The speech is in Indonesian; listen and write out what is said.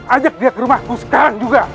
ajak dia ke rumahku sekarang juga